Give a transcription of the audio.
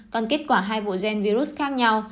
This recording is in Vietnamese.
còn kết quả hai bộ gen virus khác nhau